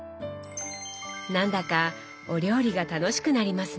なんだかお料理が楽しくなりますね。